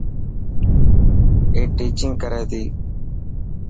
اي ٽيچنگ ڪري تي.